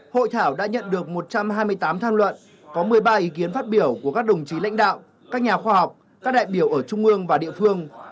hội thảo đã nhận được một trăm hai mươi tám tham luận có một mươi ba ý kiến phát biểu của các đồng chí lãnh đạo các nhà khoa học các đại biểu ở trung ương và địa phương